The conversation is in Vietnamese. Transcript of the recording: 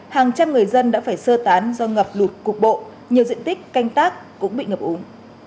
hàng trăm người dân đã phải sơ tán do ngập lụt cục bộ nhiều diện tích canh tác cũng bị ngập úng